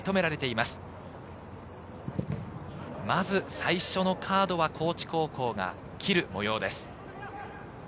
まず最初のカードは高知高校がきる模様です。